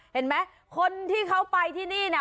เห็นไหมคนที่เขาไปที่นี่นะ